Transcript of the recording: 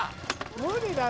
無理だろ。